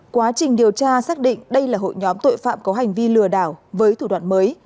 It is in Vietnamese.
quá trình điều tra xác định đây là hội nhóm tội phạm có hành vi lừa đảo với thủ đoạn mới